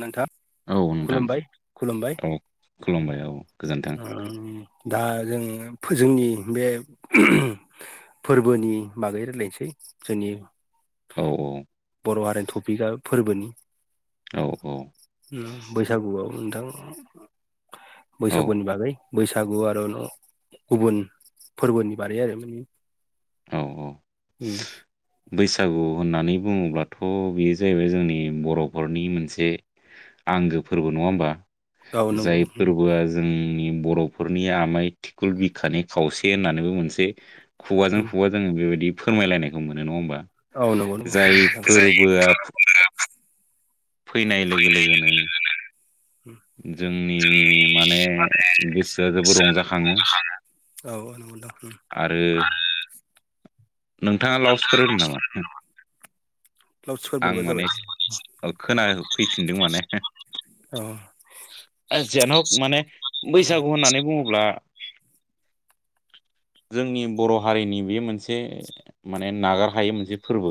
नोंथां औ नोंथां खुलुमबाय खुलुमबाय औ खुलुमबाय औ गोजोन्थों दा जों जोंनि बे फोरबोनि बागै रायलायनोसै जोंनि औ बर' हारिनि थफिगाया फोरबोनि औ औ बैसागुआव नोंथां औ बैसागुनि बागै बैसागु आरो न गुबुन फोरबोनि बारै आरो माने औ - औ बैसाग बैसागु होननानै बुंङोब्लाथ' बेयो जाहैबाय जोंनि बर'फोरनि मोनसे आंगो फोरबो नंङा होमबा औ नंगौ जाय फोरबोआ जों आनि बर'फोरनि आमाय थिखुल बिखानि खावसे होननानैबो मोनसे खुगाजों जों बेबायदि फोरमायलायनाय मोन नंङा होमबा औ नंगौ नंगौ जाय फोरबोआ फैनाय लोगो लोगोनो जोंनि माने गोसोआ जोबोद रंजाखाङो [unintelligible] औ नंगौ [unintelligible] [unintelligible] नोंथांङा लावसफोर होनो नामा हो लाउड स्पिकार आं बोरैबा जाबाय मानेसे खोना होफैफिनदों माने औ [unintelligible] माने बैसागु होननानै बुंङोब्ला जोंनि बर' हारिनि बे मोनसे माने नागार हायै मोनसे फोरबो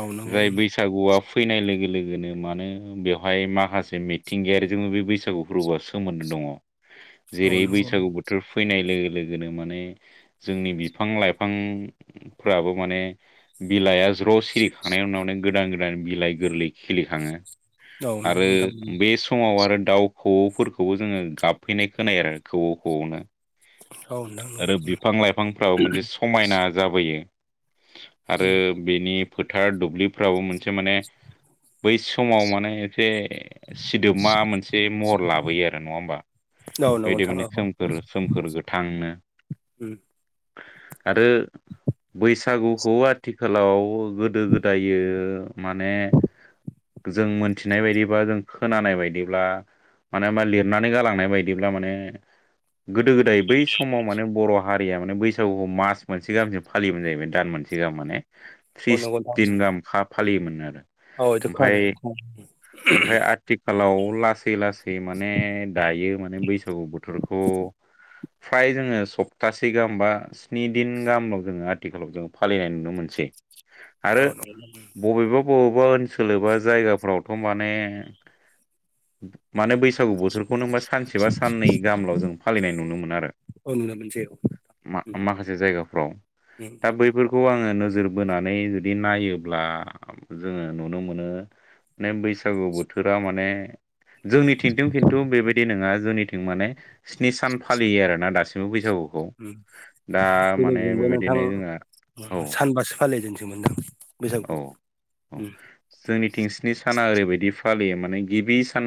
औ नंगौ जाय बैसागुआ फैनाय लोगो लोगोनो मानो बेवहाय माखासे मिथिंगायारि जोंङो बे बैसागु फोरबोआ सोमोन्दो दङ औ जेरै नंगौ बैसागु बोथोर फैनाय लोगो लोगोनो मान जोंनि बिफां - लाइफांफ्राबो मान बिलाइ ज' सलिखांनायनि उनावनो गोदान गोदान बिलाइ गोरलै खिलिखाङो औ आरो नंगौ नोंथां औ बे द आरो दाउ खौवौफोरखौबो जोंङो गाबफैनाय खोनायो आरो खौऔ खौऔ नोंथां आरो नंगौ बिफां - लाइफांफ्राबो मोनसे समायना जाबोयो आरो बेनि फोथार दुब्लिफ्राबो मोनसे माने बै समाव माने एसे मा मोनसे महर लाबोयो आरो नंङा होमबा औ नंगौ बायदि माने नोंथां सोमखोर सोमखोर गोथांनो। औ आरो। बैसागुखौ आथिखालाव गोदो गोदायो माने। जों मोनथिनाय बायदिबा जों। खोनानाय बायदिब्ला माने लिरनानै गालांनाय बायदिब्ला माने। गोदो गोदाय बै समाव माने बर'। हारिया माने बैसागुखौ मास मोनसे गाहामसिम फालियोमोन जाहैबाय दान मोनसे गाहाम माने। औ थ्रिस नंगौ नोंथां दिन उम गाहामखा फालियोमोन आरो। औ बेखौ खोनादों ओमफाय नोंथां ओमफाय आर--। आथिखालाव लासै लासै माने दायो माने बैसागु बोथोरखौ। फ्राय जोङो सप्तासे गाहाम बा स्नि दिन गाहामाव जोङो आथिखालाव जोङो फालिनाय नुनो मोनसै। आरो औ नंगौ नोंथां बबेबा बबेबा ओनसोल एबा जायगाफोरावथ' माने। माने बैसागु बोथोरखौनो मो सानसेबा साननै गाहामल' जों। फालिनाय नुनो मोनो आरो। औ नुनो मोनसै औ उम मा-माखासे जायगाफ्राव उम दा बैफोरखौ आं। जोङो नोजोर बोनानै जुदि नायोब्ला जोङो नुनो मोनो। ने बैसागु बोथोरा माने जोंनिथिंजों खिन्थु बेबायदि नोङा। जोंंनिथिं माने स्नि सान फालियो आरोना दासिमबो बैसागुख--। जोंनिजोंबो नोंथां बेबायदिनो जोंहा औ सानबासो फालिजेनसै मोनदों। औ औ जोंनि थिं स्निड साना ओरैबायदि फालियो माने। गिबि सान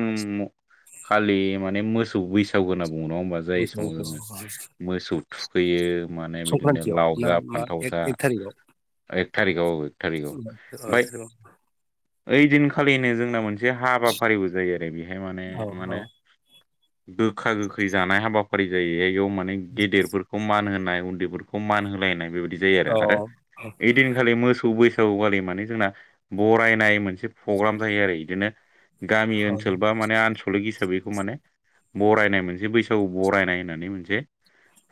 खालि माने मोसौ बैसागु होननाब। बुंङो नङा होमबा जाय समाव जोङो बैसागुखौ मोसौ थुखैयो माने बिदिनो संक्रान्तियाव लाव ना जा मा फान्थाव जा। एक एक थारिख आव। एक थारिखआव एक थारिखआव औ एक बायद। थारिखआव ओइ दिनखालिनो जोंना मोनसे हाबाफारिबो जायो आरो बेहाय माने औ मानो। गोखा गोखै जानाय हाबाफारि जायो इयाव माने गेदेरफोरखौ मान होनो--। नाय उन्दैफोरखौ मान होलायनाय बेबादि जायो औ आरो बै दिनखालि मोसौ बैस--। खौवालि माने जोंना बरायनाय मोनसे फग्राम जायो आरो इदिनो। गामि औ ओनसोल बा माने आनसलिक हिसाबै। माने बरायनाय मोनसे बैसागु बरायनाय होननानै मोनसे।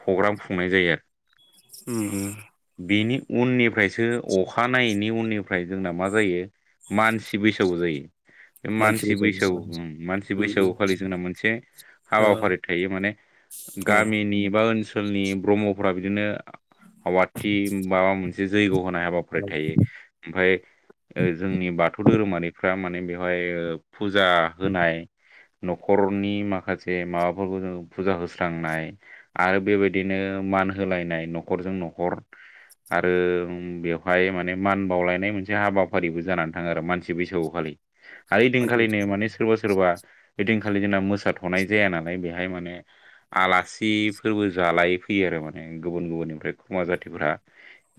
फग्राम खुंनाय जायो आरो। उम। बिनि उननिफ्रायसो अखा। खानायैनि उननिफ्राय जोंना मा जायो मानसि बैसागु जायो। बे मानसि बैसागु मानसि उम उम बैसागु खालि जोंना मोनसे। औ हाबाफारि थायो माने औ गामिनि बा ओनसो--। ओनसोलनि ब्रह्मफोरा बिदिनो आवाथि माबा मोनसे जैग' होनाय। राय औ थायो ओमफाय जोंनि बाथौ धोरोमारिफ्रा माने। नो बेवहाय ओ फुजा होनाय। न'खरनि माखासे माबाफोरखौ जों फुजा होस्रांनाय आरो बेबायदिनो। मान होलायनाय न'खरजों न'खर आरो बेब। बेवहाय माने मान बावलायनाय मोनसे हाबाफारिबो जाना थाङो आरो मानसि बैसागु खालि। आरो मानसि इदिनखालिनो बैसागु माने सोरबा सोरबा ओइदिनख--। खालि जोंना मोसााथ'नाय जाया नालाय बेहाय माने आलासि फोरबो जालाय फैयो आरो माने। गुबुन गुबुननिफ्राय खमा जाथिफोरा।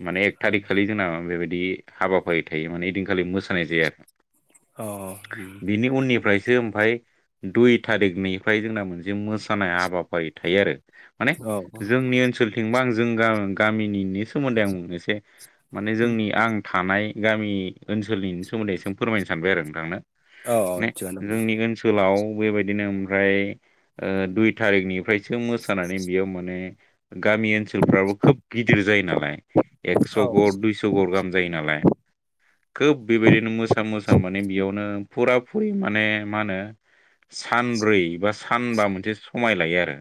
माने एक औ थारिख खालि जोंना बेबायदि हाबाफारि थायो माने ओइदिनखालि मोसानाय जायो आरो। अह ओम। जो ओमफाय दुइ थारिखनिफाय जोंना मोनसे मोसानाय हाबाफारि थायो आरो। माने जोंनि ओनसोलथिंबा आं जों गामिनिनि सोमोन्दै आं बुंनोसै। माने जोंनि आं थानाय गामि ओनसोलनि सोमोन्दै सों फोरमायनो सानबाय आरो नोंथांनो। औ ने थिगानो दं जोंनि ओनसोलाव बेबायदिनो ओमफ्राय ओ दुइ थारिखनिफ्रायसो मोसानानै बेयाव माने गामि ओनसोलफ्राबो खोब गिदिर जायो नालाय एकस औ गर दुइस गर गाहाम जायो नालाय खोब बेबायदिनो मोसा मोसा माने बेयावनो फुरा फुरि माने मा होनो सानब्रै बा सानबा मोनसे समाय लायो आरो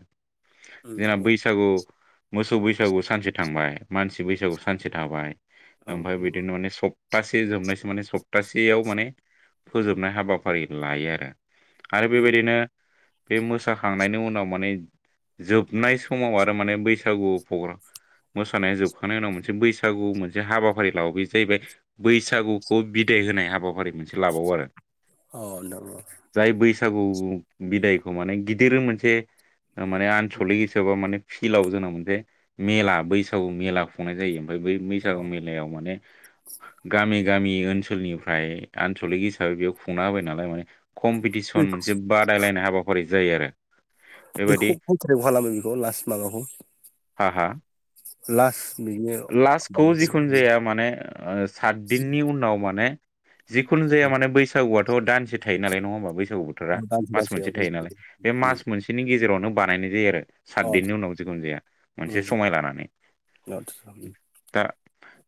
उम जोंना औ बैसागु मोसौ बैसागु सानसे थांबाय मानसि बैसागु सानसे थां बाय ओमफ्राय नंगौ बिदिनो माने सफ्थासे सप्तासे जोबनायसो माने सप्तासेयाव माने फोजोबनाय हाबाफारि लायो आरो आरो बेबायदिनो बे मोसाखांनायनि उनाव माने जोबनाय समाव आरो माने बैसागु मोसानाया जोबखांनायनि उनाव मोनसे बैसागु बैसागु मोनसे हाबाफारि लाबावो बे जाहैबाय बैसागुखौ बिदाय होनाय हाबाफारि मोनसे लाबावो आरो औ नंगौ जाय बैसागु बिदायखौ माने गिदिर मोनसे माने आनसलिक हिसाबा माने फिल्डाव जोंना मोनसे मेला बैसागु मेला खुंनाय जायो ओमफ्राय बै बैसागु औ मेलायाव माने गामि गामि ओनसोलनिफ्राय आनसलिक हिसाबै बेयाव खुंना होबाय नालाय माने कम्पिटिसन बेखौ मोनसे बादायलायनाय हाबाफारि जायो आरो बेबायदि बेखौ कन्ट्रे खालामो बेखौ लास्ट माबाखौ हा हा लास बिनो लास्टखौ जिखुनु जाया माने ओ सातदिननि उनाव माने जिखुनु जाया माने बैसागुआथ दानसे थायो नालाय नङा होमबा बै गो बोथोरा दानसे मास दानसेयाव मोनसे थायो नालाय बे दानसे मास मोनसेनि गेजेरावनो बानायनाय जायो आरो सात अ दिननि उनाव जिखुनु जाया मोनसे उम समाय लानानै आदसा उम दा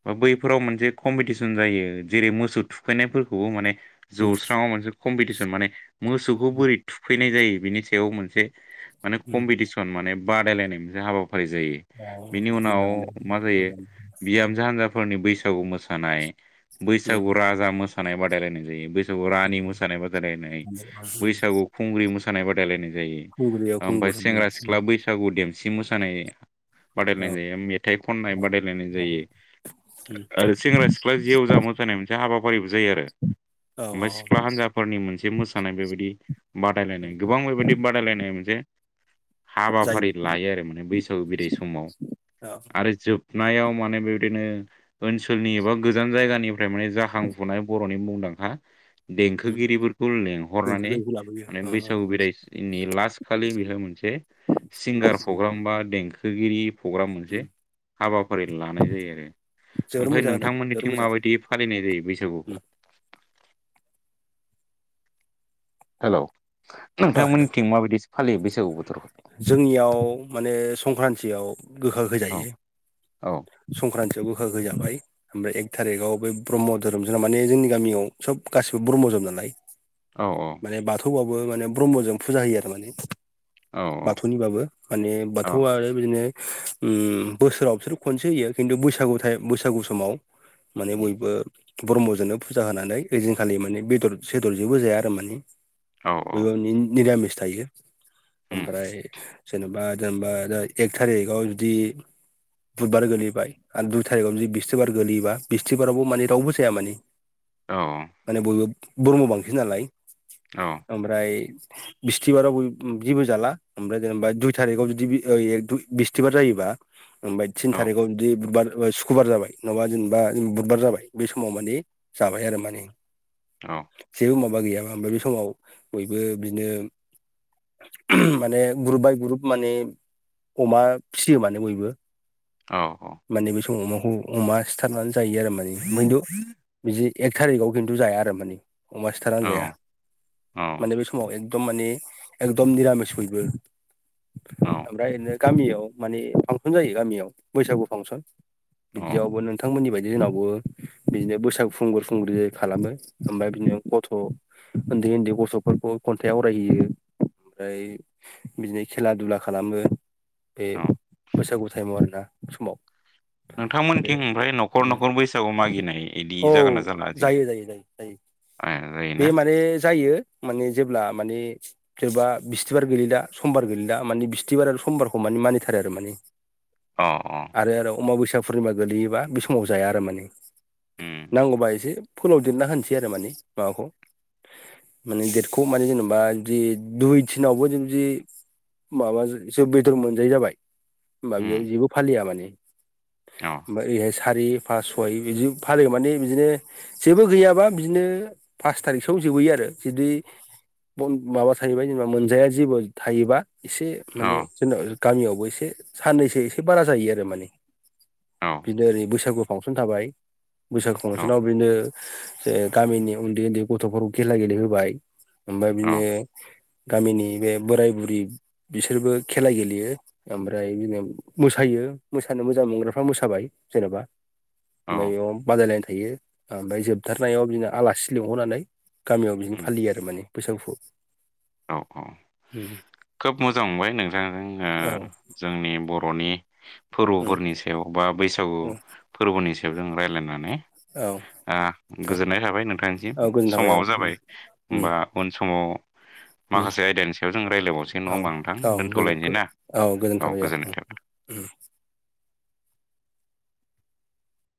बा बैफोराव मोनसे कम्पिटिसन जायो जेरै मोसौ थुखैनायफोरखौबो माने उम जौस्राङाव मोनसे कम्पिटिसन माने मोसौखौ बोरै थुखै नाय जायो बेनि सायाव मोनसे माने उम कमफिथिसन माने बादायलायनायाव नि हाबाफारि जायो अ बेनि उनाव मोजाङानो मा जायो मोजां बिामजो हान्जा फोरनि बैसागु मोसानाय उम बैसागु राजा मोसानाय बादायलायनाय जायो बैस रानि उम मोसानाय बादायलायनाय बैसागु खुंग्रि मोसानाय बादायलायनाय खुंगुरियाव ओमफ्राय खुंगुर उम सेंग्रा सिख्ला औ बैसागु देमसि मोसानाय औ बादायलायनाय जायो मेथाइ खननाय बादायलनाय औ जायो उम आरो सेंग्रा सिख्ला जेउजा मोसानाय मोनसे हाबाफारि जायो आरो औ ओमफ्राय सिख्ला हान्जाफोरनि मोनसे मोसानाय बेबायदि बादायलायनाय गोबां बेबायदि बादायलायनाय मोनसे हाबाफारि जायो लायो आरो माने बैसागु बिदाय समाव औ आरो जोब खुनायाव माने बेबायदिनो ओनसोलनि एबा गोजान जायगानिफ्राय माने जाखांफुनाय बरनि मुं खा उम देंखोगिरिफोरखौ लेंहरनानै बेंटलाव बेखौ लाबोयो माने औ बैसागु बिदायनि लास्ट खालि बेहाय मोनसे सिंगार उम प्रग्राम बा देंखो गिरि प्रग्राम मोनसे उम हाबाफारि लानाय जायो आरो जोबोर ओमफ्राय मोजां जादों जोबोर नोंथांमोननिथिं मोजां माबायदि फालिनाय जायो बैसागुखौ उम हेल अ हेल' नोंथांमोननिथिं माबायदिसो फालियो बैसागु बोथोरखौ जोंनियाव माने संक्रान्तियाव गोखै औ जायो औ संख्रान्थियाव गोखा गोखै जाबाय ओमफ्राय एक थारिक ब बे ब्रह्म धोरोम जोंना माने जोंनि गामियाव सब गासिबो ब्रह्मजोम नालाय औ माने बाथौबावबो माने ब्रह्मजों फुजा होयो आरो माने औ बाथौनिबाबो माने औ बाथौआ आरो बिदिनो बोसोराव बिसोर खनसे होयो खिन्थु बैसागु बैसागु समाव माने बयबो ब्रह्मजोंनो फुजा होनानै ओइदिनखालि माने बेदर सेदर जेबो जाया आरो माने औ बयबाबो नि निरामिस थायो ओमफ्राय जेनबा जेनबा एक थारिगाव जुदि बुधबार गोलैबाय आरो दुइ थारिखआव जुदि बिस्थिबार गोलैयोबा बिस्थिबारावबो माने रावबो जाया माने औ माने बयबो ब्रह्म बांसिन नालाय औ ओमफ्राय बिस्थिबाराव बय जेबो जाला ओमफ्राय जेनेबा दुइ थारिकाव जुदि ओ एक दुइ बिस्थिबार जायोबा ओमफ्राय थिन औ थारिखाव जुदि बुधबार सुक्रुबार जाबाय नङाबा जेनेबा बुधबार जाबाय बे समाव माने जाबाय आरो माने औ जेबो माबा गैयाबा ओमफ्राय बे समाव बयबो बिदिनो माने ग्रुप बाय ग्रुप माने अमा फिसियो माने बयबो औ माने बे समाव अमा अमा सिथारनानै जायो आरो माने ओमफाय दु बिदि एक थारिखाव खिन्थु जाया आरो माने अमा औ सिथारनानै जाया औ माने बे समाव एक- एकदम मानि एकदम निरामिस बयबो औ ओमफ्राय बिनो गामियाव माने फांसन जायो गामियाव बैसागु फांसन औ बिदियावबो नोंथांमोननि बायदि दि जोंनावबो बिदिनो बैसागु खुंगुर खुंग्रि जायो खालामो ओमफ्राय बिदिनो गथ' ओन्दै ओन्दै गथ'फोरखौ खन्थाइ आवरायहोयो ओमफ्राय बिदिनो खेला दुला खालामो बे औ बैसागु टाइमाव आरोना समाव बे नोंथांमोनथिं ओमफ्राय न'खर न'खर बैसागु मागिनाय इदि औ जागोन ना जाला जायो आजिखालि जायो जायो जायो आया बे माने जायो माने जेब्ला माने सोरबा बिस्थिबार गलैदा समबार गलैदा माने बिस्थिबार आरो समबारखौ माने मानिथारो आरो माने अ अ आरो आरो अमाबैसाया पुर्निमा गोलैयोबा बे समाव जाया आरो माने उम नांगौबा एसे फोलाव देरना होनोसै आरो माने माबाखौ माने डेटखौ माने जेनेबा बिदि दुइ थिनावबो बिब्दि माबा जै बेदर मोनजायै जाबाय होमबा उम बेयाव जेबो फालिया माने अ ओमफाय ओरैजाय सारि फास सय बिदि फालियो माने बिदिनो जेबो गैयाबा बिदिनो पास थारिखसोआवनो जोबैयो आरो जुदि माबा थाहैबाय जेनेबा मोनजाया जेबो थायोबा एसे अ माने जेनबा गामियावबो एसे साननैसो एसे बारा जायो आरो माने औ बिदिनो ओरै बैसागु फांसन थाबाय बैसागु औ फांसनाव बिदिनो जे गामिनि उन्दै उन्दै गथ'फोरखौ खेला गेले होबाय ओमफ्राय औ बिदिनो गामिनि बे बोराय बुरि बिसोरबो खेला गेलेयो ओमफ्राय बिदिनो मोसायो मोसानो मोजां मोनग्राफ्रा मोसाबाय जेन'बा ओमफ्राय औ बेयाव बादायलायनाय थायो ओमफ्राय जोबथारनायाव बिदिनो आलासि लिंहरनानै गामियाव बिदिनो उम फालियो आरो माने बैसागुखौ औ औ खोब मोजां मोनबाय नोंथांजों ओ औ जोंनि बर'नि फोरबोफोरनि सायाव बा बैसागु फोरबोनि सायाव जों रायलायनानै औ ओ औ गोजोननाय थाबाय नोंथांनिसिम औ गोजोन थाबाय औ समाबो जाबाय होमबा उन समाव माखासे आयदानि सायाव जों रायज्लायबावसै नङा उम होमबा नोंथां औ औ गोजोन खौ दोनथ'लायनोसै ना औ गोजोनथाबाय औ उम गोजोननाय थाबाय। उम [inaudible]